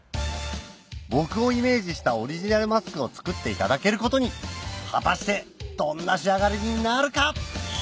僕をイメージしたオリジナルマスクを作っていただけることに果たしてどんな仕上がりになるか？